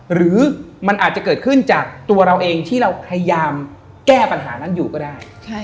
หรือมันอาจจะเกิดขึ้นจากตัวเราเองที่เราพยายามแก้ปัญหานั้นอยู่ก็ได้